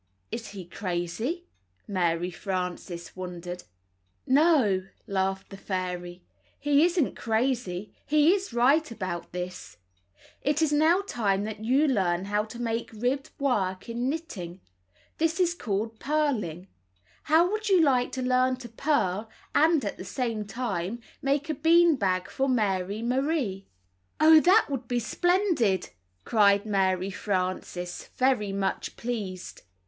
"Is he crazy?" Mary Frances wondered. "No," laughed the fairy, "he isn't crazy. He is v right about this; it is now time that you learn how to make ribbed work in knitting. This is called purling. How would you Hke to learn to purl and, at the same time, make a bean bag for Mary Marie? " :t's. a 180 Knitting and Crocheting Book "Oh, that would be splendid!" cried Mary Frances, very much pleased.